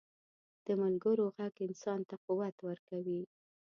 د ملګرو ږغ انسان ته قوت ورکوي.